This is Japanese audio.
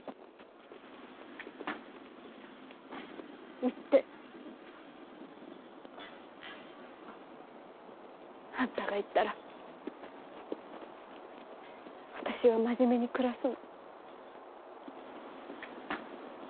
行って。あんたが行ったら私は真面目に暮らすの。